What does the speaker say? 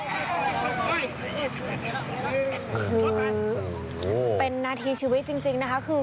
กลับมาช่วยกัน